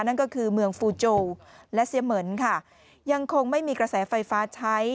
นั่นก็คือเมืองฟูโจและเซียเหมือนค่ะยังคงไม่มีกระแสไฟฟ้าใช้